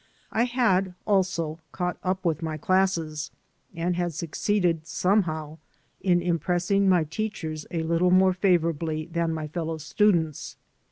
I had, also, caught up with my classes, and had succeeded, somehow, in im pressing my teachers a little more favorably than my fellow students.